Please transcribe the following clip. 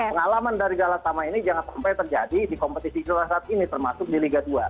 pengalaman dari galatama ini jangan sampai terjadi di kompetisi saat ini termasuk di liga dua